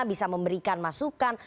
bisa memberikan masukan